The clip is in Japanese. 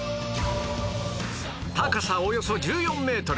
高さおよそ１４メートル